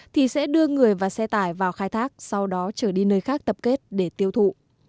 thì sẽ đưa người và xe tải vào khai thác sau đó trở đi nơi khác tập kết để tiêu thụ